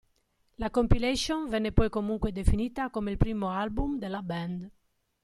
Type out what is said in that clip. La compilation venne poi comunque definita come il primo album della band.